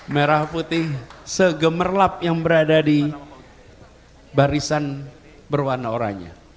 merah putih segemerlap yang berada di barisan berwarna oranye